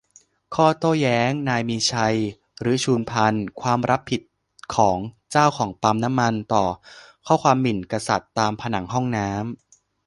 ข้อโต้แย้งนายมีชัย ฤชุพันธุ์ : ความรับผิดของเจ้าของปั๊มน้ำมัน ต่อข้อความหมิ่นกษัตริย์ตามผนังห้องน้ำ